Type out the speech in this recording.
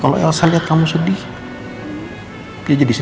kalau begitu saya tinggal dulu ya pak bu